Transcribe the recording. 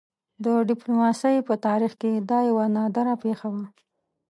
د ډيپلوماسۍ په تاریخ کې دا یوه نادره پېښه وه.